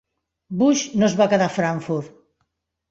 Busch no es va quedar a Frankfurt.